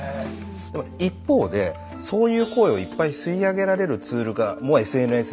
一方でそういう声をいっぱい吸い上げられるツールもＳＮＳであったと。